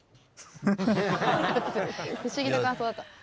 不思議な感想だった？